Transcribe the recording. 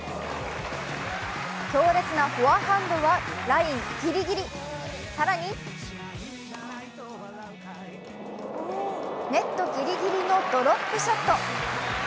強烈なフォアハンドはラインぎりぎり、更にネットぎりぎりのドロップショット。